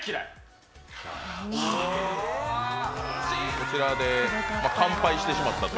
こちらで完敗してしまったという。